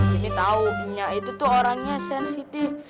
joni taunya itu tuh orangnya sensitif